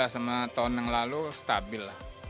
dua ribu sembilan belas sama tahun yang lalu stabil lah